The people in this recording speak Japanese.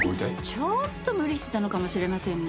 ちょっと無理してたのかもしれませんね。